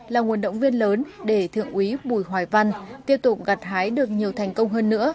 là nguồn động viên lớn để thượng úy bùi hoài văn tiếp tục gặt hái được nhiều thành công hơn nữa